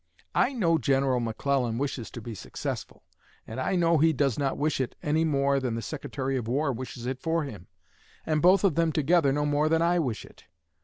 I know General McClellan wishes to be successful, and I know he does not wish it any more than the Secretary of War wishes it for him, and both of them together no more than I wish it.